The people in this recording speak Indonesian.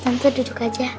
tante duduk aja